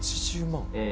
８０万。